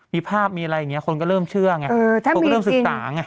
มีภาพมีอะไรอย่างนี้คนก็เริ่มเชื่อไงคนก็เริ่มศึกษาไง